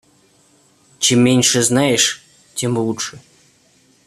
Чем меньше знаешь, тем лучше.